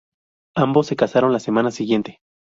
Ambos se casaron la semana siguiente.